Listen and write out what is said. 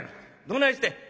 どないしてん？」。